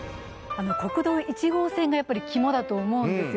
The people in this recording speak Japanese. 国道１号線がやっぱり肝だと思うんですよ